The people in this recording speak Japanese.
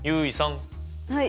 はい。